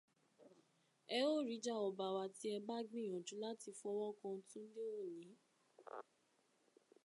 Ẹ ó ríjà ọba wa tí ẹ bá gbìyànjú láti fọ́wọ́ kan Túndé Òní